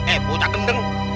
eh bucah gendeng